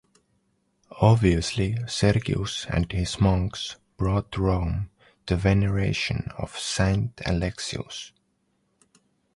Obviously, Sergius and his monks brought to Rome the veneration of Saint Alexius.